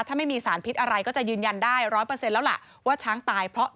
ถ้าไม่มีสารพิษอะไรก็จะยืนยันได้๑๐๐แล้วล่ะว่าช้างตายเพราะ